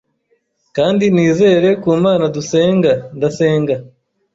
Kandi nizere ku Mana, ndasenga! Ndasenga!